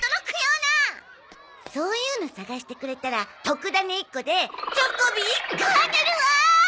そういうの探してくれたら特ダネ１個でチョコビ１個あげるわ！